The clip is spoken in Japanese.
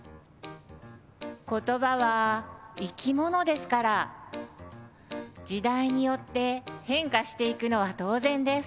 言葉は生き物ですから時代によって変化していくのは当然です。